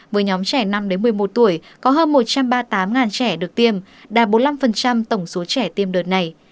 với nhóm trẻ năm một mươi một tuổi có hơn một trăm ba mươi tám trẻ được tiêm đạt bốn mươi năm tổng số trẻ tiêm đợt này